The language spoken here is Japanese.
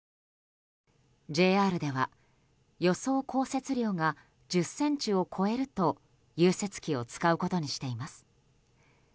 ＪＲでは予想降雪量が１０ｃｍを超えると融雪機を使うことにしています。